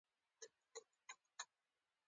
د زیروک ولسوالۍ غرنۍ ده